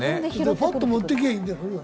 パッと持っていけばいいんだろ？